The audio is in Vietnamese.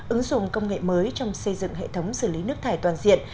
ứng dụng công nghệ mới trong xây dựng hệ thống xử lý nước thải toàn diện